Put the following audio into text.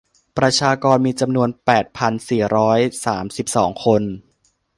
ประชากรมีจำนวนแปดพันสี่ร้อยสามสิบสองคน